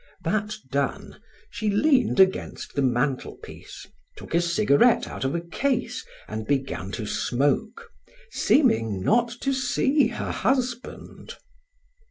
That done, she leaned against the mantelpiece, took a cigarette out of a case, and began to smoke, seeming not to see her husband.